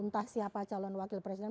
entah siapa calon wakil presiden